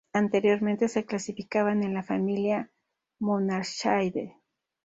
Anteriormente se clasificaban en la familia Monarchidae.